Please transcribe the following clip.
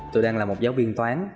tôi đang là một giáo viên toán